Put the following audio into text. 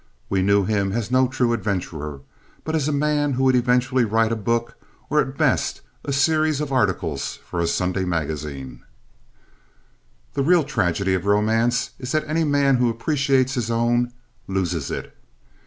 We knew him as no true adventurer, but as a man who would eventually write a book or at best a series of articles for a Sunday magazine. The real tragedy of romance is that any man who appreciates his own loses it.